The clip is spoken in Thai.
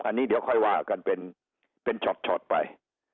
อันนี้เดี๋ยวค่อยว่ากันเป็นช็อตไป